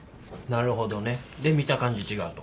なるほどね。で見た感じ違うと。